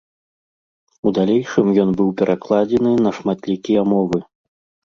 У далейшым ён быў перакладзены на шматлікія мовы.